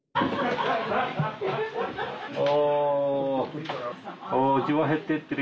お。